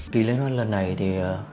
kỳ liên hoàn lần này thì